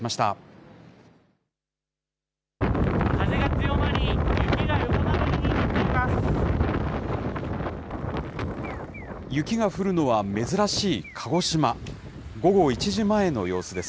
風が強まり、雪が横殴りに降っています。